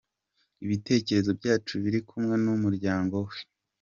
Ibitekerezo byacu biri kumwe n’umuryango we.